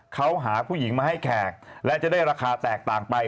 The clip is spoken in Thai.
เขาหาผู้หญิงมาให้แขกและจะได้ราคาแตกต่างไป